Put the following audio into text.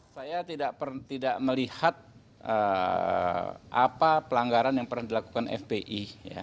saya tidak melihat apa pelanggaran yang pernah dilakukan fpi